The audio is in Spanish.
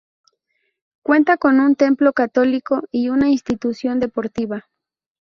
Cuenta con un templo católico y una institución deportiva.